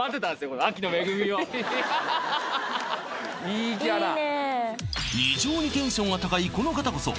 いいね異常にテンションが高いこの方こそ